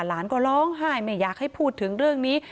หลานก็ร้องไห้ไม่อยากให้พูดถึงเรื่องนี้